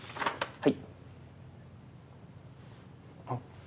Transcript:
はい。